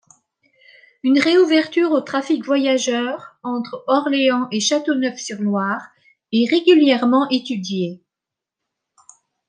Une réouverture au trafic voyageurs, entre Orléans et Châteauneuf-sur-Loire, est régulièrement étudiée.